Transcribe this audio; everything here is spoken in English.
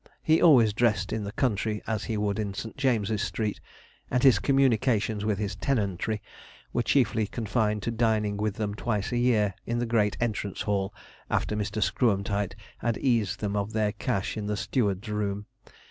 He always dressed in the country as he would in St. James's Street, and his communications with his tenantry were chiefly confined to dining with them twice a year in the great entrance hall, after Mr. Screwemtight had eased them of their cash in the steward's room.